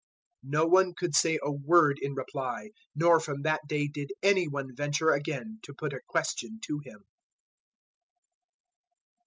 022:046 No one could say a word in reply, nor from that day did any one venture again to put a question to Him.